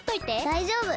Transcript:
だいじょうぶ！